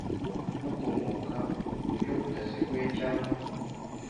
Ukomoka mu buryo butaziguye cyangwa